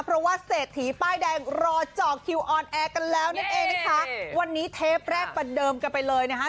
เพราะว่าเศรษฐีป้ายแดงรอเจาะคิวออนแอร์กันแล้วนั่นเองนะคะวันนี้เทปแรกประเดิมกันไปเลยนะคะ